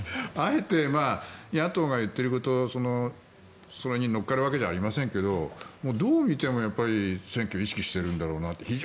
あえて野党が言っていることに乗っかるわけじゃありませんけどどう見ても、選挙を意識しているんだろうなと。